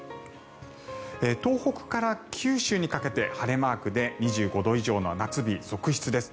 東北から九州にかけて晴れマークで２５度以上の夏日続出です。